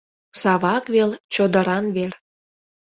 Савак вел — чодыран вер.